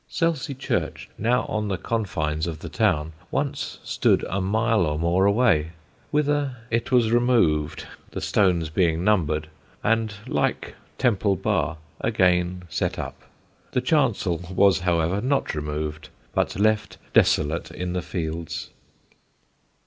Selsey church, now on the confines of the town, once stood a mile or more away; whither it was removed (the stones being numbered) and, like Temple Bar, again set up. The chancel was, however, not removed, but left desolate in the fields.